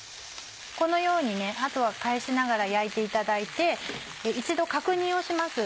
このようにねあとは返しながら焼いていただいて一度確認をします。